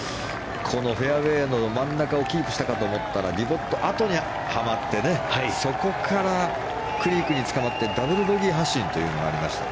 このフェアウェーの真ん中をキープしたかと思ったらディボット跡にはまってそこからクリークにつかまってダブルボギー発進というのがありました。